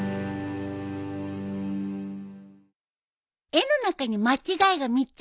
絵の中に間違いが３つあるよ。